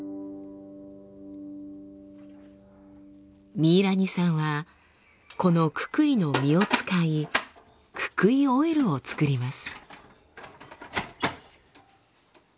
ミイラニさんはこのククイの実を使いククイオイルを作ります。